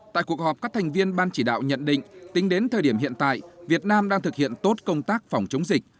tại cuộc họp các thành viên ban chỉ đạo nhận định tính đến thời điểm hiện tại việt nam đang thực hiện tốt công tác phòng chống dịch